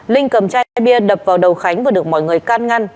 linh cầm chai bia đập vào đầu khánh và được mọi người can ngăn